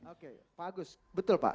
oke bagus betul pak